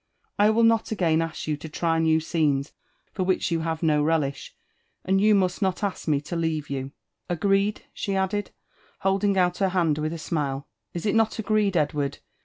I Will ilot again wA pou to try new itoiids Ibr whl«h you have do relifth, and you must: not ask me to ieaire you. — Agt^e^ T' she added, holding out her hand wilh a smile ;*' is it not agreed, Ed ward